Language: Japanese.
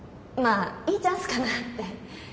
まあいいチャンスかなって。